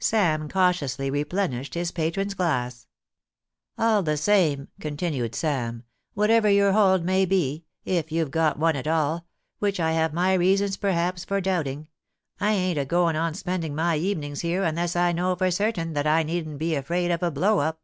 Sam cautiously replenished his patron's glass. THE WORSHIP OF SHAKESPEARE. 217 * All the same/ continued Sam, * whatever your hold may be — if youVe got one at all, which I have my reasons per haps for doubting — I ain*t agoin' on spending my evenings here unless I know for certain that I needn't be afraid of a blow up.'